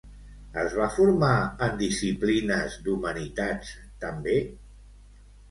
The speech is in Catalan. Es va formar en disciplines d'humanitats, també?